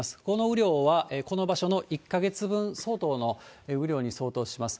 この雨量は、この場所の１か月分相当の雨量に相当します。